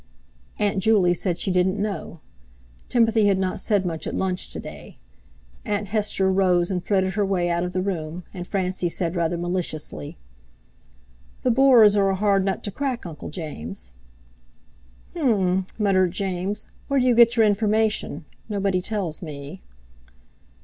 Aunt Juley said she didn't know; Timothy had not said much at lunch to day. Aunt Hester rose and threaded her way out of the room, and Francie said rather maliciously: "The Boers are a hard nut to crack, Uncle James." "H'm!" muttered James. "Where do you get your information? Nobody tells me."